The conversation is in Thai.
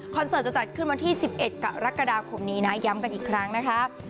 เสิร์ตจะจัดขึ้นวันที่๑๑กรกฎาคมนี้นะย้ำกันอีกครั้งนะคะ